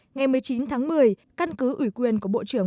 ngày một mươi chín tháng một mươi căn cứ ủy quyền của bộ trưởng